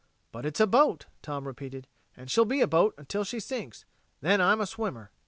"But it's a boat," Tom repeated. "And she'll be a boat until she sinks and then I'm a swimmer."